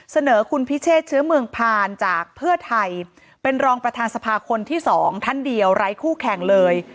เสนอคุณพิเชษเชื้อเมืองผ่านจากเพื่อไทยเป็นรองประธานสภาคนที่สองท่านเดียวไร้คู่แข่งเลย